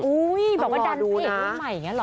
อุ้ยบอกว่าดันเพลงใหม่อย่างนี้หรอ